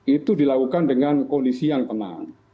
itu dilakukan dengan kondisi yang tenang